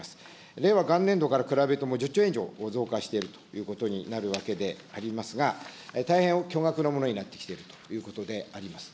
令和元年度から比べるともう１０兆円以上増加しているということになるわけでありますが、大変巨額なものになってきているということであります。